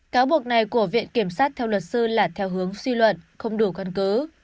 cáo buộc này của viện kiểm sát theo luật sư là theo hướng suy luận không đủ căn cứ